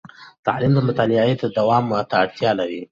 تعلیم د مطالعې تداوم ته اړتیا لري.